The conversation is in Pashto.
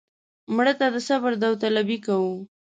مړه ته د صبر داوطلبي کوو